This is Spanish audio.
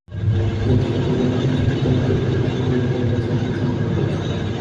Y entre su patrimonio arquitectónico religioso se puede ver la Iglesia de San Roque.